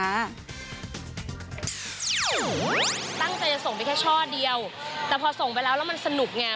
ตั้งใจจะส่งไปแค่ช่อเดียวแต่พอส่งไปแล้วแล้วมันสนุกไง